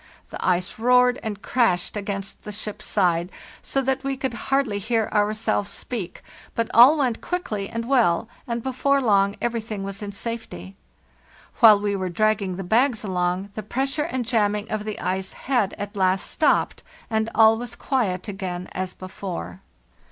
The ice roared and crashed against the ship's side, so that we could hardly hear ourselves speak; but all went quickly and well, and before long everything was in safety. "While we were dragging the bags along, the press ure and jamming of the ice had at last stopped, and all was quiet again as before.